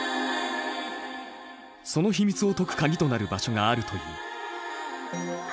その秘密を解く鍵となる場所があるという。